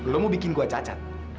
lu mau bikin gua cacat